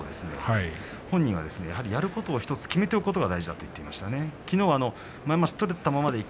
本人はやることを１つ決めておくことが大事だと言っていました。